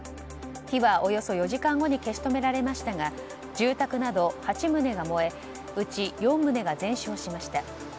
火はおよそ４時間後に消し止められましたが住宅など８棟が燃えうち４棟が全焼しました。